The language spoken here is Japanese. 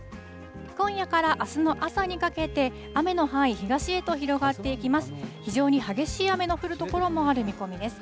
今夜からあすの朝にかけて、雨の範囲、東へと広がっていきます。